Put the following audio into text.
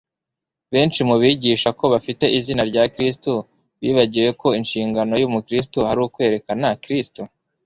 Benshi mu bigisha ko bafite izina rya Kristo bibagiwe ko inshingano y'umukristo ari ukwerekana Kristo.